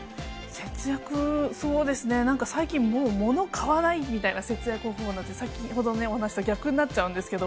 節約、そうですね、なんか最近、もう物買わないみたいな節約方法になってきて、先ほどのお話と逆になっちゃうんですけど。